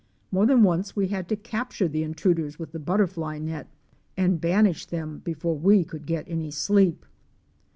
More than once we had to capture the intruders with the butterfly net and banish them before we could get any sleep.